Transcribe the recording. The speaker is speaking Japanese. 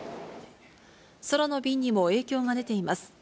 空の便にも影響が出ています。